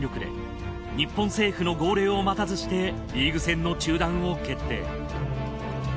日本政府の号令を待たずしてリーグ戦の中断を決定